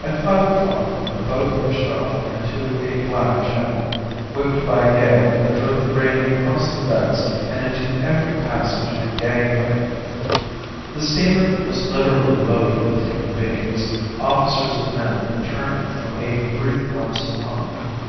At five o'clock the boat pushed off into a black channel, whipped by a gale that drove the rain across the decks and into every passage and gangway. The steamer was literally loaded with human beings, officers and men returning from a brief glimpse of home.